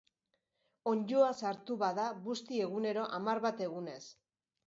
Onddoa sartu bada, busti egunero, hamar bat egunez.